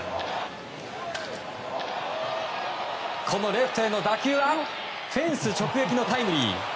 レフトへの打球はフェンス直撃のタイムリー。